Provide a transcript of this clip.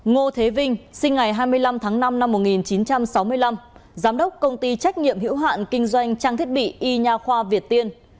ngô thế vinh sinh ngày hai mươi năm tháng năm năm một nghìn chín trăm sáu mươi năm giám đốc công ty trách nhiệm hữu hạn kinh doanh trang thiết bị y nha khoa việt tiên